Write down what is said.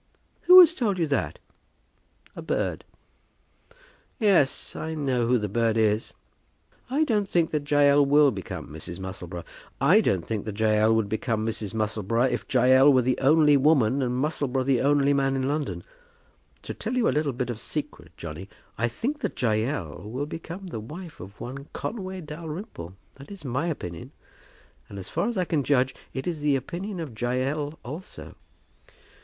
"Who has told you that?" "A bird." "Yes; I know who the bird is. I don't think that Jael will become Mrs. Musselboro. I don't think that Jael would become Mrs. Musselboro, if Jael were the only woman, and Musselboro the only man in London. To tell you a little bit of secret, Johnny, I think that Jael will become the wife of one Conway Dalrymple. That is my opinion; and as far as I can judge, it is the opinion of Jael also."